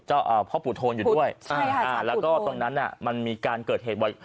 ใช่ค่ะสารปูโทนแล้วก็ตรงนั้นมันมีการเกิดเหตุไว้